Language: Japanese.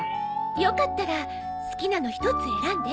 よかったら好きなの１つ選んで。